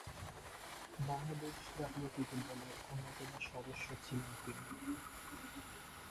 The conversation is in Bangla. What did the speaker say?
বাংলাদেশ জাতীয় ক্রিকেট দলের অন্যতম সদস্য ছিলেন তিনি।